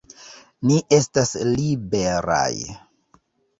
Ni estas liberaj!